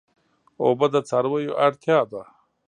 اوبه د څارویو اړتیا ده.